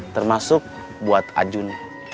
termasuk buat ajun